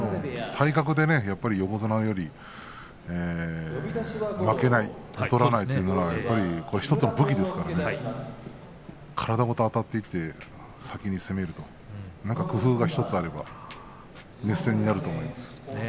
体格でやっぱり横綱より負けない、劣らないというのは１つの武器ですから体ごとあたっていって先に攻めるという何か工夫が１つあれば熱戦になると思います。